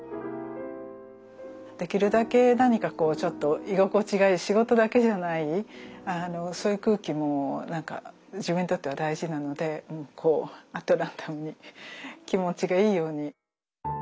できるだけ何かちょっと居心地がいい仕事だけじゃないそういう空気も自分にとっては大事なのでこうアットランダムに気持ちがいいように。